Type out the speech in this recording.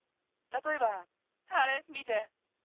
たとえばあれ見て。